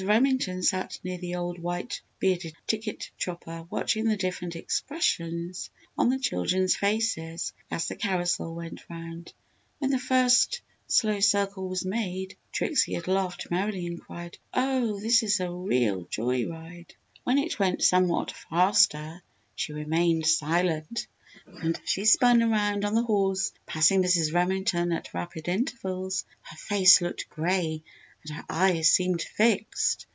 Remington sat near the old white bearded ticket chopper, watching the different expressions on the children's faces as the carousel went round. When the first slow circle was made Trixie had laughed merrily and cried, "Oh, this is a real joy ride!" When it went somewhat faster, she remained silent, and as she spun around on the horse, passing Mrs. Remington at rapid intervals, her face looked grey and her eyes seemed fixed.